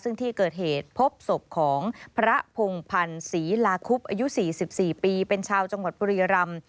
ซึ่งที่เกิดเหตุพบศพของพระพงภัณฑ์ศรีลาคุปอายุสี่สิบสี่ปีเป็นชาวจังหวัดปรียรรม